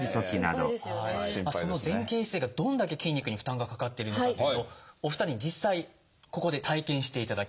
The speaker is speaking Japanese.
その前傾姿勢がどれだけ筋肉に負担がかかっているのかというのをお二人に実際ここで体験していただきます。